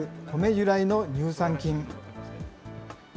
由来の乳酸菌。